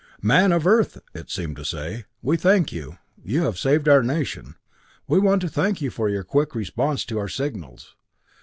"Man of Earth," it seemed to say, "we thank you you have saved our nation. We want to thank you for your quick response to our signals.